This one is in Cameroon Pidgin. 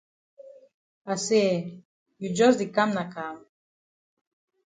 I say eh, you jus di kam na kam?